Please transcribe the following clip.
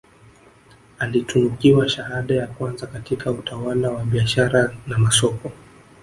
Alitunukiwa shahada ya kwanza katika utawala wa biashara na masoko